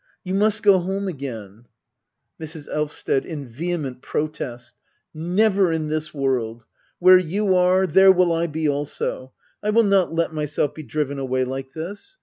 You must go home again Mrs. Elvsted. [In vehement protest] Never in this world ! Where you are, there will I be also ! I will not let myself be driven away like this!